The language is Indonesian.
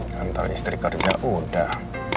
kental istri kerja udah